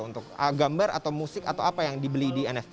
untuk gambar atau musik atau apa yang dibeli di nft